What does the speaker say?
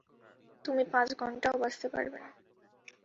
তুমি পাচ ঘন্টাও বাচতে পারবে না।